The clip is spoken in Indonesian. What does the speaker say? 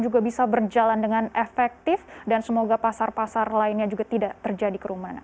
jadi saya berharap ini bisa menjadi kesempatan yang sangat penting